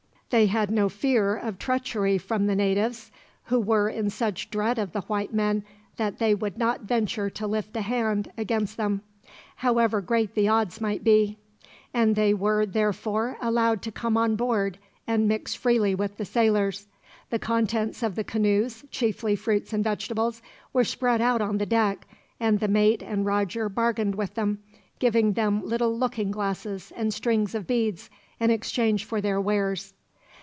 They had no fear of treachery from the natives, who were in such dread of the white men that they would not venture to lift a hand against them, however great the odds might be; and they were, therefore, allowed to come on board and mix freely with the sailors. The contents of the canoes, chiefly fruit and vegetables, were spread out on the deck, and the mate and Roger bargained with them, giving them little looking glasses, and strings of beads, in exchange for their wares.